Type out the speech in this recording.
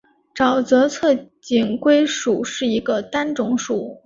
沼泽侧颈龟属是一个单种属。